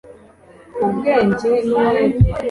ubwenge n’umwete”